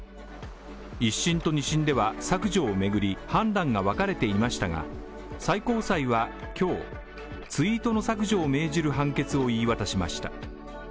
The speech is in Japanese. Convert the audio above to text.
１審と２審では削除を巡り判断が分かれていましたが、最高裁は今日、ツイートの削除を命じる判決を言い渡しました。